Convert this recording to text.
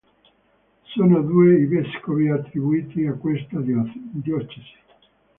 Sono due i vescovi attribuiti a questa diocesi.